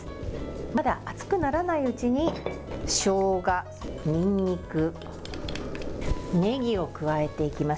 まだ熱くならないうちにしょうが、にんにくねぎを加えていきます。